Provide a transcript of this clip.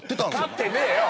勝ってねえよ。